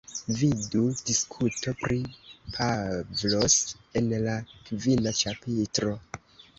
Vidu diskuto pri Pavlos en la kvina ĉapitro.